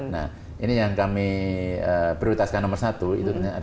nah ini yang kami prioritaskan nomor satu itu